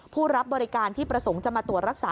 ผู้รับบริการที่ประสงค์จะมาตรวจรักษา